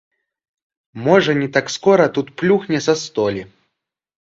Можа, не так скора тут плюхне са столі.